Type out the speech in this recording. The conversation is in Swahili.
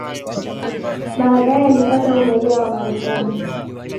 Baadaye alipata uraia wa Marekani.